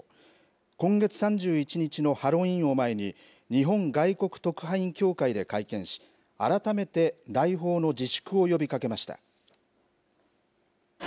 今月３１日のハロウィーンを前に日本外国特派員協会で会見し改めて来訪の自粛を呼びかけました。